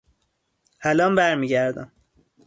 الان برمیگردم.